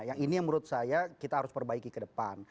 yang ini yang menurut saya kita harus perbaiki ke depan